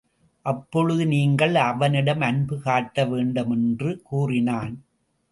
அப்பொழுது நீங்கள் அவனிடம் அன்பு காட்டவேண்டும் என்று கூறினான்.